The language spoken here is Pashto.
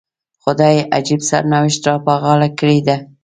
خدای عجیب سرنوشت را په غاړه کړی دی.